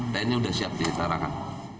tni sudah siap ditarakan